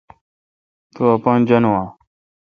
تو پان جانون اں؟